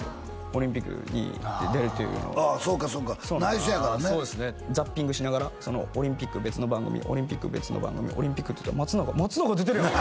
オリンピックに出るというのはああそうかそうか内緒やからねザッピングしながらオリンピック別の番組オリンピック別の番組オリンピックってやったら松永松永出てるやん！